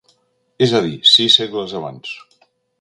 És a dir, sis segles abans.